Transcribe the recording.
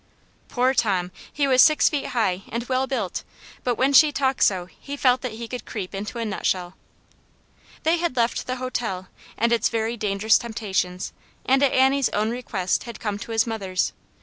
Poor Tom ! he was six feet high and well built, but when she talked so he felt that he could creep into a nut shell. They had left the hotel and its very dangerous temptations, and at Annie's own request had come to his mother's.